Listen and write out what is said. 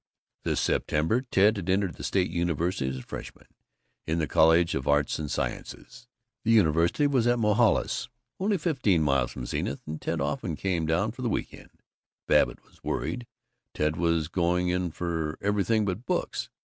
This September Ted had entered the State University as a freshman in the College of Arts and Sciences. The university was at Mohalis, only fifteen miles from Zenith, and Ted often came down for the week end. Babbitt was worried. Ted was "going in for" everything but books.